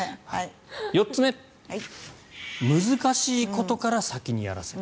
４つ目、難しいことから先にやらせる。